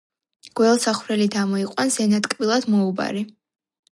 გველსა ხვრელით ამოიყვანს ენა ტკბილად მოუბარი.